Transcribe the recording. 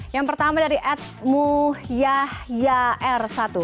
yang pertama dari edmuyah yair satu